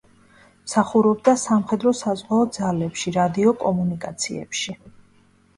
მსახურობდა სამხედრო-საზღვაო ძალებში, რადიო კომუნიკაციებში.